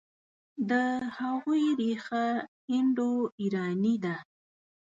د هغوی ریښه انډوایراني ده.